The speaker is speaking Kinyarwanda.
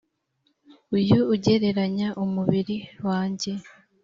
uyu ugereranya umubiri wanjye .